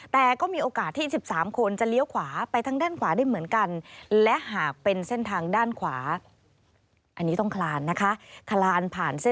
แต่ก็มีโอกาสที่๑๓คนจะเลี้ยวขวาไปทางด้านขวาได้เหมือนกัน